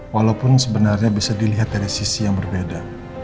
walaupun sebenarnya bisa dilihat dari sisi yang berbeda